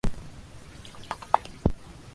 仕上げました